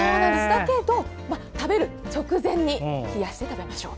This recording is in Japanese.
だけど食べる直前に冷やして食べましょうと。